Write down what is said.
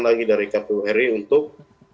lagi dari kpu ri untuk